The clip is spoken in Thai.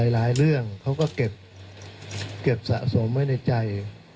หลายเรื่องเขาก็เก็บสะสมไว้ในใจ